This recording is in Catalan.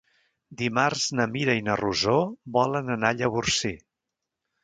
Dimarts na Mira i na Rosó volen anar a Llavorsí.